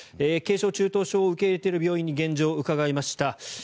軽症・中等症を受け入れている病院に現状を伺いました。